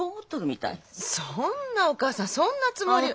そんなお義母さんそんなつもりは。